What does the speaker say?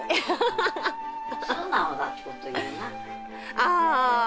ああ！